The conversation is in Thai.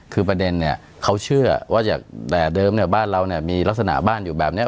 คือประเด็นเขาเชื่อว่าอย่างเดิมบ้านเรามีลักษณะบ้านอยู่แบบนี้